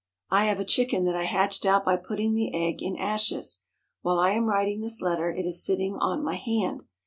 I have a chicken that I hatched out by putting the egg in ashes. While I am writing this letter it is sitting on my hand.